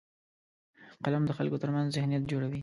قلم د خلکو ترمنځ ذهنیت جوړوي